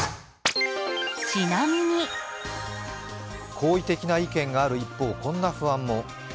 好意的な意見がある一方こんな不安も。